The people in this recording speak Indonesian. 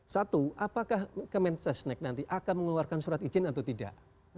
satu apakah kementerian sekretariat negara nanti akan mengeluarkan surat izin atau tidak